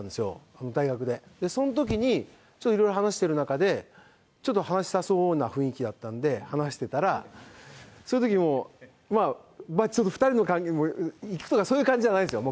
そのときにいろいろ話してる中で、ちょっと話したそうな雰囲気だったんで、話してたら、そのときにもう、まあ、２人の感じで、行くとかそういう感じじゃないんですよ。